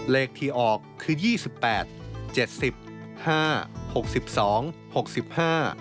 เลขที่ออกคือยี่สิบแปดเจ็ดสิบห้าหกสิบสองหกสิบห้า